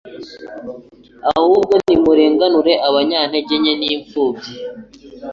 Ahubwo nimurenganure abanyantege nke n’impfubyi